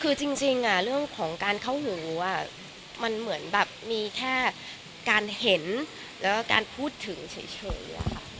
คือจริงเรื่องของการเข้าหูมันเหมือนแบบมีแค่การเห็นแล้วก็การพูดถึงเฉยอะค่ะ